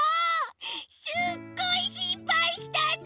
すっごいしんぱいしたんだから！